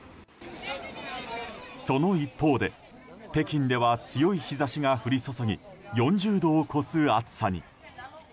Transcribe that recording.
その一方で北京では強い日差しが降り注ぎ４０度を超す暑さに。